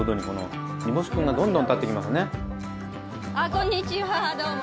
こんにちはどうも。